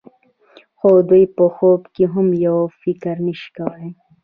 خو دوی په خوب کې هم یو فکر نشي کولای.